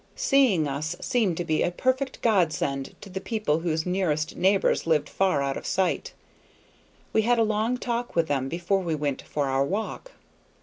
Seeing us seemed to be a perfect godsend to the people whose nearest neighbors lived far out of sight. We had a long talk with them before we went for our walk.